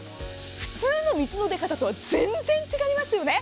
普通の水の出方とは全然違いますよね。